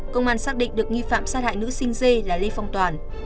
công an xác định được nghi phạm sát hại nữ sinh dê là lê phong toàn